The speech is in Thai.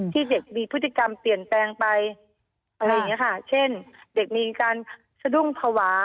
ที่เด็กมีพฤติกรรมเปลี่ยนแปลงไปอะไรอย่างนี้ค่ะเช่นเด็กมีการสะดุ้งภาวะ